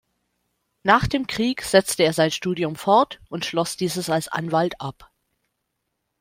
Nach dem Krieg setzte er sein Studium fort und schloss dieses als Anwalt ab.